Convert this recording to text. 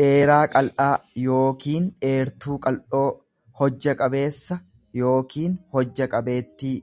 dheeraa qal'aa yookiin dheertuu qal'oo, hojja qabeessa yookiin hojja qabeettii.